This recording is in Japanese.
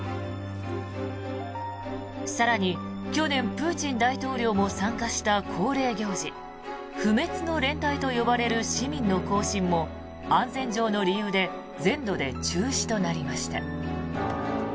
更に、去年、プーチン大統領も参加した恒例行事不滅の連隊と呼ばれる市民の行進も安全上の理由で全土で中止となりました。